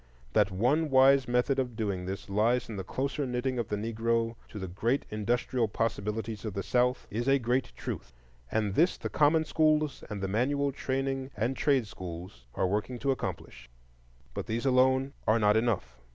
That one wise method of doing this lies in the closer knitting of the Negro to the great industrial possibilities of the South is a great truth. And this the common schools and the manual training and trade schools are working to accomplish. But these alone are not enough.